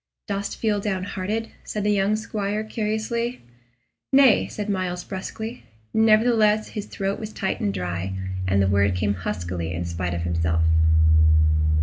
"Dost feel downhearted?" said the young squire, curiously. "Nay," said Myles, brusquely. Nevertheless his throat was tight and dry, and the word came huskily in spite of himself.